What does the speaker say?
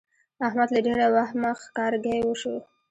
احمد له ډېره وهمه ښارګی شو.